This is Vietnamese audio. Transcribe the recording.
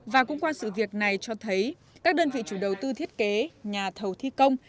và cũng qua sự việc này cho thấy các đơn vị chủ đầu tư thiết kế nhà thầu thi công